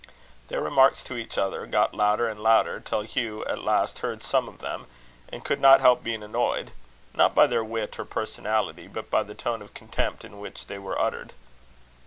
Their remarks to each other got louder and louder, till Hugh at last heard some of them, and could not help being annoyed, not by their wit or personality, but by the tone of contempt in which they were uttered.